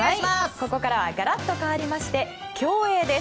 ここからはガラッとかわりまして競泳です。